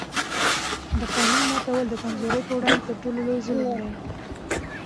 د قانون ماتول د کمزورو پر وړاندې تر ټولو لوی ظلم دی